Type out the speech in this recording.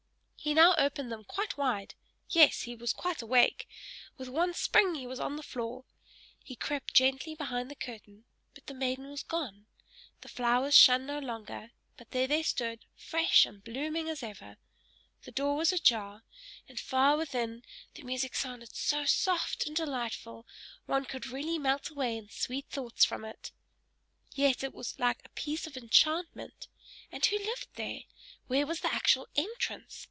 He now opened them quite wide yes, he was quite awake; with one spring he was on the floor; he crept gently behind the curtain, but the maiden was gone; the flowers shone no longer, but there they stood, fresh and blooming as ever; the door was ajar, and, far within, the music sounded so soft and delightful, one could really melt away in sweet thoughts from it. Yet it was like a piece of enchantment. And who lived there? Where was the actual entrance?